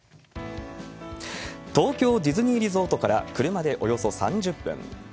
東京ディズニーリゾートから車でおよそ３０分。